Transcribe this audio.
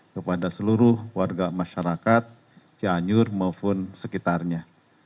kepada seluruh warga masyarakat cianjur maupun sekitarnya